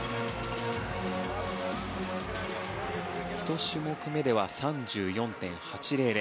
１種目めでは３４．８００。